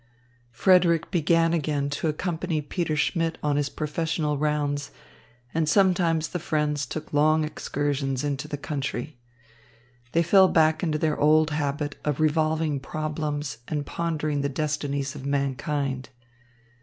Frederick began again to accompany Peter Schmidt on his professional rounds, and sometimes the friends took long excursions into the country. They fell back into their old habit of revolving problems and pondering the destinies of mankind.